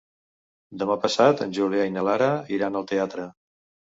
Demà passat en Julià i na Lara iran al teatre.